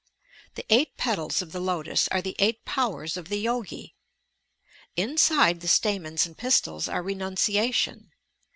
The eight petals of the lotus are the eight powers of the Yogi. Inside the sta mens ,and pistils are renunciation.